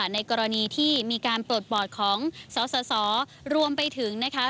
ในกรณีที่มีการปลดบอดของสาวรวมไปถึง